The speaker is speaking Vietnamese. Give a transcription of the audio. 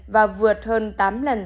và vượt hơn tám lần